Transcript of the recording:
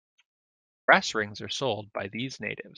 Brass rings are sold by these natives.